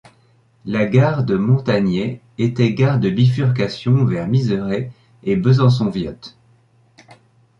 La gare de Montagney était gare de bifurcation vers Miserey et Besançon-Viotte.